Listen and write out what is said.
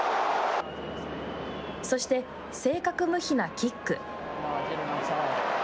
そして正確無比なキック。